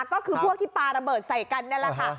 ก็คือพวกที่ปลาระเบิดใส่กันนั่นแหละค่ะ